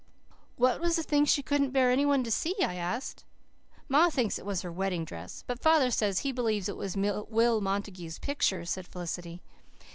"What was the thing she couldn't bear any one to see?" I asked. "Ma thinks it was her wedding dress. But father says he believes it was Will Montague's picture," said Felicity.